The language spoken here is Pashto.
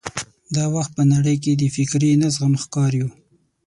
دا وخت په نړۍ کې د فکري نه زغم ښکار یو.